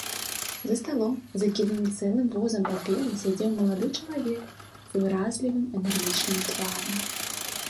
За сталом, закіданым цэлым возам паперы, сядзеў малады чалавек з выразлівым энергічным тварам.